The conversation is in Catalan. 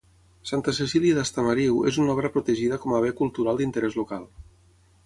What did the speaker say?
Santa Cecília d'Estamariu és una obra protegida com a bé cultural d'interès local.